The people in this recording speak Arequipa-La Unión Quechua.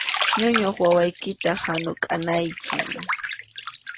Ñuñuq wawaykita hanukʼanaykim.